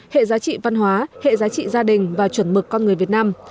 hệ giá trị văn hóa hệ giá trị gia đình và chuẩn mực con người việt nam